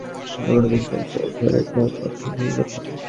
Internet সম্পর্কে সচেতনতার অভাব ইন্টারনেট সেবা ছড়িয়ে দেওয়ার পথে মূল বাধা।